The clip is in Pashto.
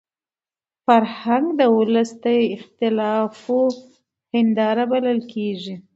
فرهنګ د ولس د اخلاقو هنداره بلل کېږي.